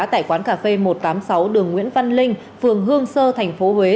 tại quán cà phê một trăm tám mươi sáu đường nguyễn văn linh phường hương sơ thành phố huế